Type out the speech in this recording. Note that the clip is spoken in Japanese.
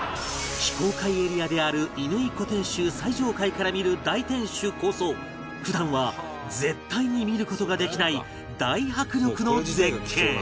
非公開エリアである乾小天守最上階から見る大天守こそ普段は絶対に見る事ができない大迫力の絶景